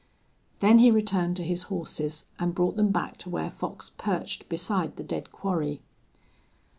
Then he returned to his horses, and brought them back to where Fox perched beside the dead quarry.